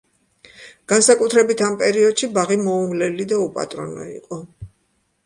განსაკუთრებით ამ პერიოდში ბაღი მოუვლელი და უპატრონო იყო.